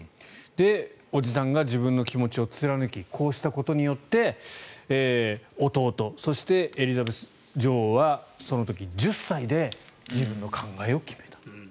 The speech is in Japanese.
伯父さんが自分の気持ちを貫きこうしたことによって弟、そしてエリザベス女王はその時、１０歳で自分の考えを決めた。